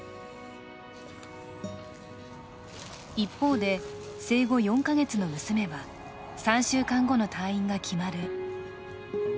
一方で、生後４か月の娘は３週間後の退院が決まる。